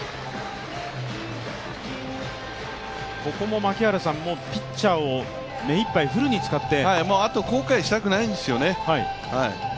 ここも槙原さん、ピッチャーを目いっぱい、フルに使って、あと、後悔したくないんですよね。